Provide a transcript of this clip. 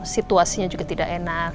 situasinya juga tidak enak